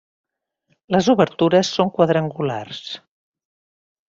Les obertures són quadrangulars.